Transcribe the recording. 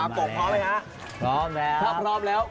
ปกพร้อมไหมครับพร้อมแล้วครับพร้อมแล้ว